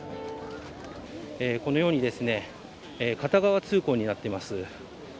このように片側通行になっています。